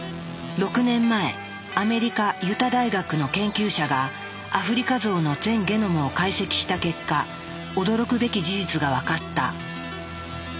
６年前アメリカ・ユタ大学の研究者がアフリカゾウの全ゲノムを解析した結果驚くべき事実が分かった。